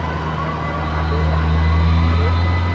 โอ้โอ้โอ้โอ้